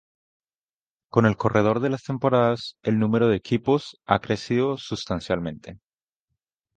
Con el correr de las temporadas el número de equipos ha crecido sustancialmente.